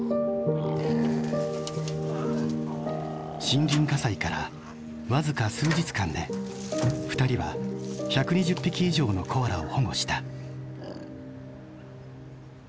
森林火災から僅か数日間で２人は１２０匹以上のコアラを保護した。